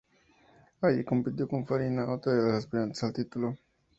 Allí compitió con Farina, otra de las aspirantes al título.